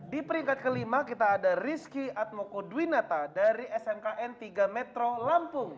di peringkat kelima kita ada rizky atmoko dwinata dari smkn tiga metro lampung